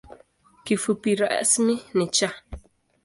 Kifupi rasmi ni ‘Cha’.